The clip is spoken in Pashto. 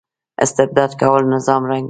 استبداد کول نظام ړنګوي